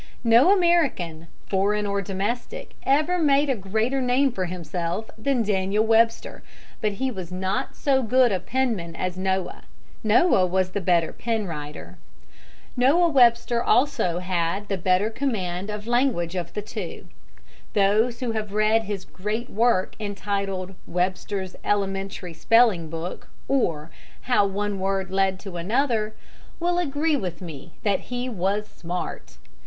No American, foreign or domestic, ever made a greater name for himself than Daniel Webster, but he was not so good a penman as Noah; Noah was the better pen writer. Noah Webster also had the better command of language of the two. Those who have read his great work entitled "Webster's Elementary Spelling Book, or, How One Word Led to Another," will agree with me that he was smart.